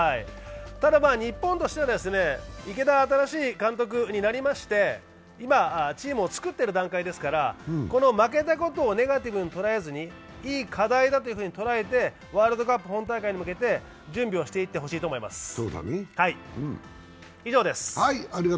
ただ、日本としては新しい池田監督になりまして今、チームを作っている段階ですから、この負けたことをネガティブに捉えずにいい課題だと捉えて、ワールドカップ本大会に向けて準備をしていってほしいと思います。